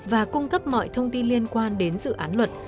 và cung cấp mọi thông tin liên quan đến dự án luật